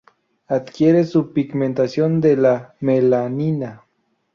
Adquiere su pigmentación de la melanina.